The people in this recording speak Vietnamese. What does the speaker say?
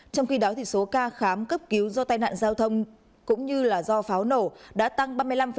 trong khi đó số ca khám cấp cứu do tai nạn giao thông cũng như do pháo nổ đã tăng ba mươi năm